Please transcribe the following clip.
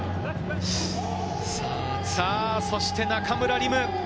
さぁ、そして中村輪夢。